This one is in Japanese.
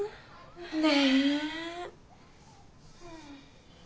ねえ。